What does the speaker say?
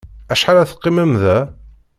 Acḥal ad teqqimem da?